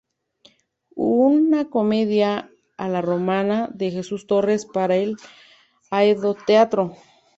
Una comedia a la romana" de Jesús Torres para "El Aedo Teatro.